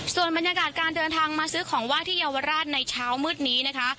ส่วนบรรยากาศการเดินทางมาซื้อของว่าที่เยาวราชในเช้ามืดนี้นะคะ